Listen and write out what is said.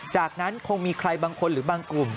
จากนั้นคงมีใครบางคนหรือบางกลุ่ม